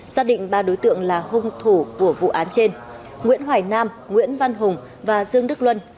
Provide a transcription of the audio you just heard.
xác định ba đối tượng là hung thủ của vụ án trên nguyễn hoài nam nguyễn văn hùng và dương đức luân